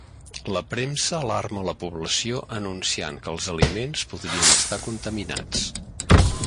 La premsa alarma la població anunciant que els aliments podrien estar contaminats.